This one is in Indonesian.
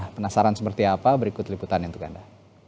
penasaran seperti apa berikut liputannya untuk anda